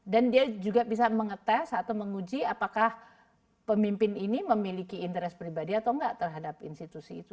dan dia juga bisa mengetes atau menguji apakah pemimpin ini memiliki interes pribadi atau enggak terhadap institusi itu